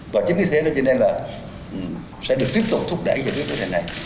và chính vì thế cho nên là sẽ được tiếp tục thúc đẩy cho biết về thế này